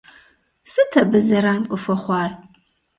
Сыт абы зэран къыхуэхъуар?